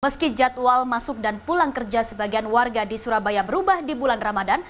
meski jadwal masuk dan pulang kerja sebagian warga di surabaya berubah di bulan ramadan